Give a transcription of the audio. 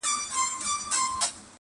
نو مي مخ کی د نیکه د قبر خواته؛